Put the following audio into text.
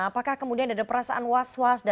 apakah kemudian ada perasaan was was